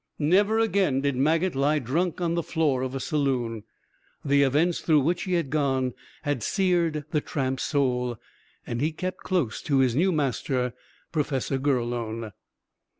Never again did Maget lie drunk on the floor of a saloon. The events through which he had gone had seared the tramp's soul, and he kept close to his new master, Professor Gurlone.